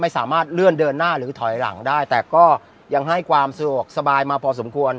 สามารถเลื่อนเดินหน้าหรือถอยหลังได้แต่ก็ยังให้ความสะดวกสบายมาพอสมควร